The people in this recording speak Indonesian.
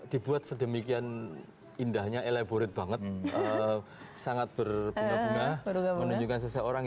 dibuat sedemikian indahnya elaborate banget sangat berbunga bunga menunjukkan seseorang